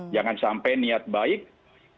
jangan sampai niat baik tidak sampai niat baik